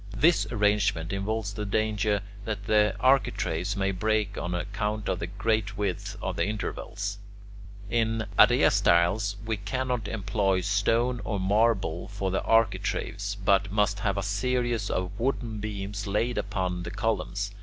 This arrangement involves the danger that the architraves may break on account of the great width of the intervals. 5. In araeostyles we cannot employ stone or marble for the architraves, but must have a series of wooden beams laid upon the columns.